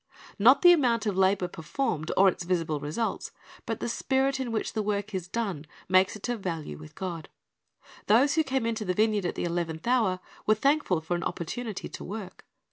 ^ Not the amount of labor performed, or its visible results, but the spirit in which the work is done, makes it of value with God. Those who came into the vineyard at the eleventh hour were thankful for an opportunity to work.